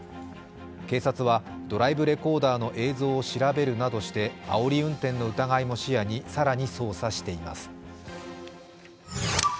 警察はドライブレコーダーの映像を調べるなどしてあおり運転の疑いも視野に更に捜査しています。